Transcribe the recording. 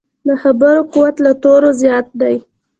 د خبرو قوت له تورو زیات دی.